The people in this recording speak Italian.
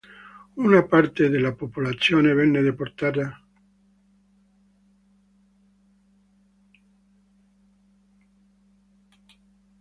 Una parte della popolazione venne deportata e servì come manodopera coatta.